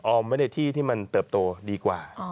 ไว้ในที่ที่มันเติบโตดีกว่า